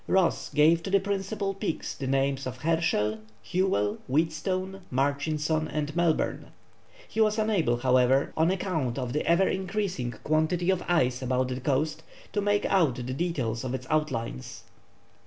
Ross gave to the principal peaks the names of Herschell, Whewell, Wheatstone, Murchison, and Melbourne. He was unable, however, on account of the ever increasing quantity of ice about the coast, to make out the details of its outlines.